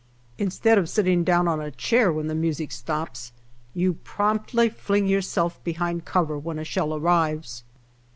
Instead of sitting down on a chair when the music stops, you promptly fling yourself behind cover when a shell arrives.